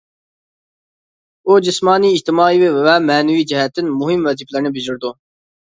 ئۇ، جىسمانىي، ئىجتىمائىي ۋە مەنىۋى جەھەتتىن مۇھىم ۋەزىپىلەرنى بېجىرىدۇ.